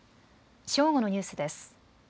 正午のニュースです。